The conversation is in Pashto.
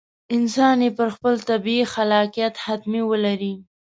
انسان یې پر خپل طبیعي خلاقیت حتمي ولري.